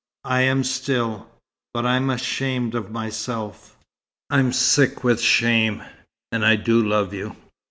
I am still but I'm ashamed of myself. I'm sick with shame. And I do love you!"